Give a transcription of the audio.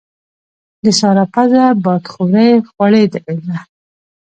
د سارا پزه بادخورې خوړلې ده.